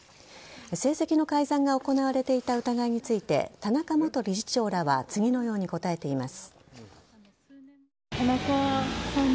成績の改ざんが行われていた疑いについて田中元理事長らは次のように答えています。